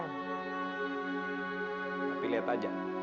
tapi lihat aja